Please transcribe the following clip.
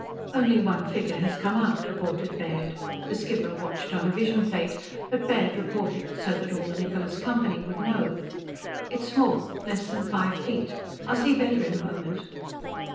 "Only one figure has come out," reported Baird. The skipper watched on a vision plate, but Baird reported so all the Niccola's company would know. "It's small less than five feet ... I'll see better in a moment."